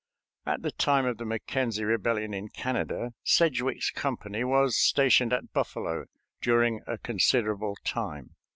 At the time of the McKenzie rebellion in Canada Sedgwick's company was stationed at Buffalo during a considerable time.